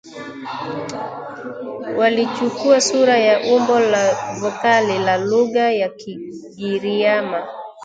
Walichukua sura ya umbo la vokali la lugha ya Kigiryama